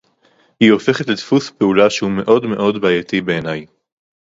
היא הופכת לדפוס פעולה שהוא מאוד-מאוד בעייתי בעיני